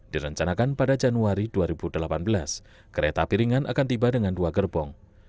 direncanakan pada januari dua ribu delapan belas kereta piringan akan tiba dengan dua gerbong